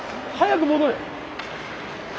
早く戻れ。